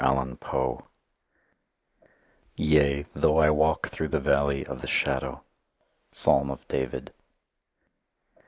A PARABLE. Yea! though I walk through the valley of the Shadow. 'Psalm of David'.